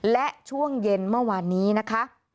และช่วงเย็นเมื่อวานนี้นะคะ